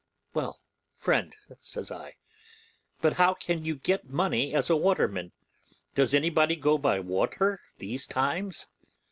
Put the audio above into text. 'Well, friend,' says I, 'but how can you get any money as a waterman? Does any body go by water these times?